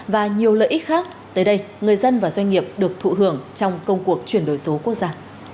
và nhiều lợi ích khác tới đây người dân và doanh nghiệp được thụ hưởng trong công cuộc chuyển đổi số quốc gia